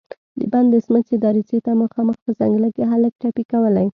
د بندې سمڅې دريڅې ته مخامخ په ځنګله کې هلک ټپې کولې.